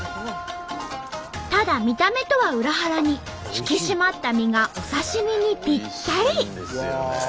ただ見た目とは裏腹に引き締まった身がお刺身にぴったり。